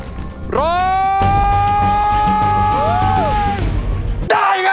สวัสดีค่ะ